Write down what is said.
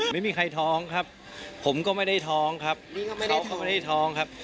ไม่มีใครท้องครับผมก็ไม่ได้ท้องครับท้องก็ไม่ได้ท้องครับ